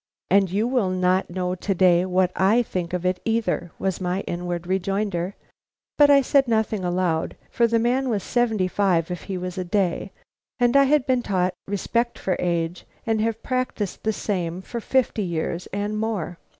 "And you will not know to day what I think of it either," was my inward rejoinder, but I said nothing aloud, for the man was seventy five if he was a day, and I have been taught respect for age, and have practised the same for fifty years and more.